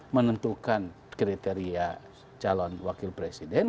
menentukan kriteria calon wakil presiden